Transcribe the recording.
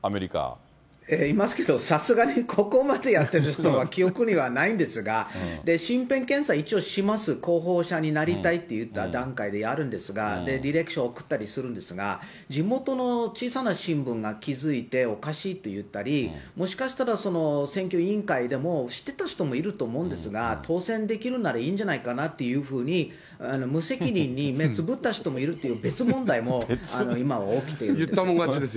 いますけど、さすがに、ここまでやってる人は記憶にはないんですが、身辺検査、一応します、候補者になりたいといった段階でやるんですが、履歴書送ったりするんですが、地元の小さな新聞が気付いて、おかしいと言ったり、もしかしたらその選挙委員会でも知ってた人もいると思うんですが、当選できるならいいんじゃないかなというふうに、無責任に目つぶった人もいるっていう、別問題も今、起きているんです。